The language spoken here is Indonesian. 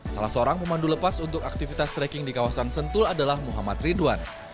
salah seorang pemandu lepas untuk aktivitas trekking di kawasan sentul adalah muhammad ridwan